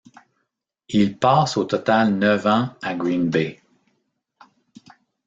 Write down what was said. Il passe au total neuf ans à Green Bay.